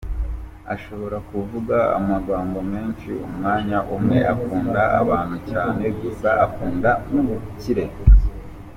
Ashobora kuvuga amagambo menshi umwanya umwe, akunda abantu cyane gusa akunda n’ubukire.